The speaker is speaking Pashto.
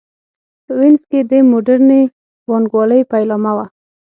په وینز کې د موډرنې بانک والۍ پیلامه وه.